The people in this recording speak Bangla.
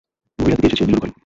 গভীর রাতে কে এসেছে নীলুর ঘরে?